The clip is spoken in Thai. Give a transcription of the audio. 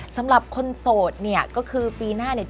สำหรับคนโสดก็คือปีหน้า